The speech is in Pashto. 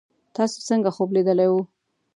تاسو څنګه خوب لیدلی وو